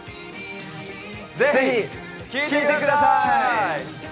ぜひ、聴いてください！